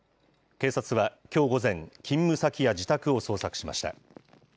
警察はきょう午前、勤務先や自宅を捜索しました。